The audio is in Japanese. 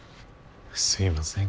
すいません